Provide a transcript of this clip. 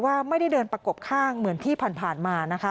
ว่าไม่ได้เดินประกบข้างเหมือนที่ผ่านมานะคะ